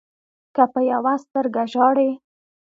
که په يوه سترګه ژاړې